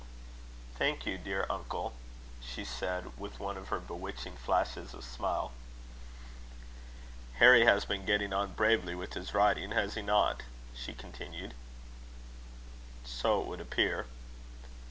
"Thank you, dear uncle," she said, with one of her bewitching flashes of smile. "Harry has been getting on bravely with his riding, has he not?" she continued. "So it would appear."